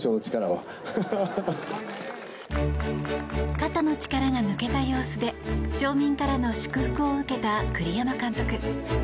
肩の力が抜けた様子で町民からの祝福を受けた栗山監督。